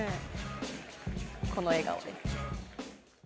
この笑顔です。